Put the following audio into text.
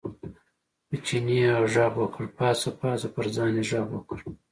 په چیني یې غږ وکړ، پاڅه پاڅه، پر ځان یې غږ وکړ.